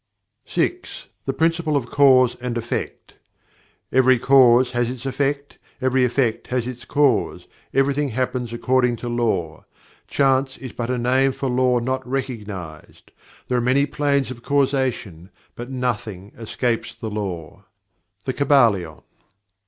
6. The Principle of Cause and Effect "Every Cause has its Effect; every Effect has its Cause; everything happens according to Law; Chance is but a name for Law not recognized; there are many planes of causation, but nothing escapes the Law." The Kybalion.